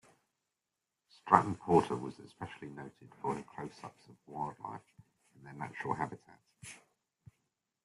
Stratton-Porter was especially noted for her close-up photographs of wildlife in their natural habitat.